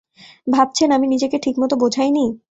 ভাবছেন, আমি নিজেকে ঠিকমতো বোঝাইনি?